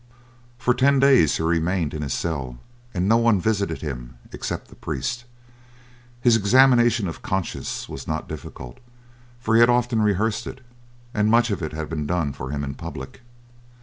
For ten days he remained in his cell, and no one visited him except the priest. His examination of conscience was not difficult, for he had often rehearsed it, and much of it had been done for him in public.